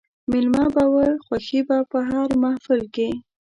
مېلمنه به وه خوښي په هر محل کښي